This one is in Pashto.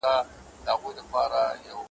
هر یو غشی چي واریږي زموږ له کور دی ,